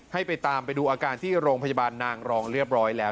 ให้ไปตามไปดูอาการที่โรงพยาบาลนางรองเรียบร้อยแล้ว